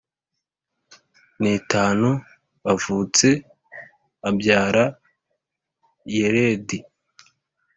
n itanu avutse abyara Yeredi